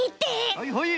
はいはい。